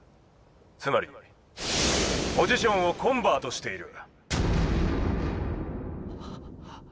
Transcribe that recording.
つまりポジションをコンバートしている」。